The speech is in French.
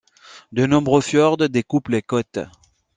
De nombreux fjords découpent les côtes.